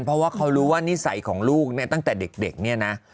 เพราะว่าเขารู้ว่านิสัยของลูกเนี่ยตั้งแต่เด็กเนี่ยนะ